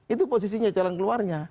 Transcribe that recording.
itu posisinya jalan keluarnya